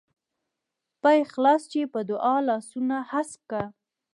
په اخلاص چې په دعا لاسونه هسک کا.